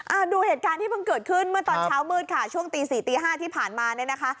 ดูเหตุการณ์ที่เพิ่งเกิดขึ้นเมื่อตอนเช้ามืดค่ะช่วงตีสี่ตีห้าที่ผ่านมาเนี่ยนะคะ